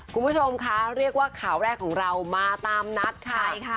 คุณผู้ชมคะเรียกว่าข่าวแรกของเรามาตามนัดค่ะใช่ค่ะ